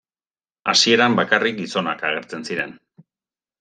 Hasieran bakarrik gizonak agertzen ziren.